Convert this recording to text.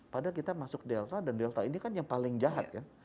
padahal kita masuk delta dan delta ini kan yang paling jahat kan